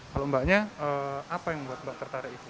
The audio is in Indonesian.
kalau mbaknya apa yang membuat mbak tertarik itu